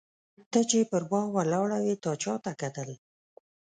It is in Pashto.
ته چي پر بام ولاړه وې تا چاته کتل؟